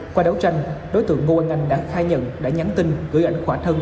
qua đấu tranh đối tượng ngô anh đã khai nhận đã nhắn tin gửi ảnh khỏa thân